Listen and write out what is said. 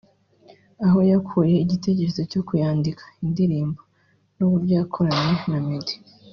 Aho yakuye igitekerezo cyo kuyandika (indirimbo) n’uburyo yakoranye na Meddy